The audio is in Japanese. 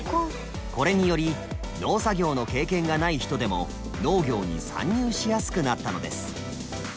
これにより農作業の経験がない人でも農業に参入しやすくなったのです。